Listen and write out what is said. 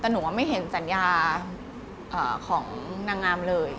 แต่หนูว่าไม่เห็นสัญญาของนางงามเลย